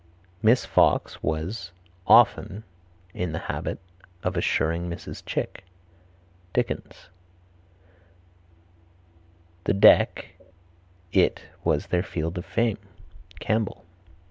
"Miss Fox was (often) in the habit of assuring Mrs. Chick." Dickens. "The deck (it) was their field of fame." Campbell.